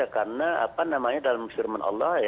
karena apa namanya dalam firman allah